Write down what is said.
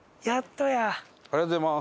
ありがとうございます。